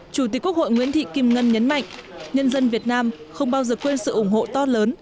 chủ tịch quốc hội nguyễn thị kim ngân nhấn mạnh nhân dân việt nam không bao giờ quên sự ủng hộ to lớn